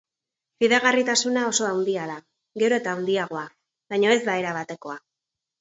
Fidagarritasuna oso handia da, gero eta handiagoa, baina ez da erabatekoa.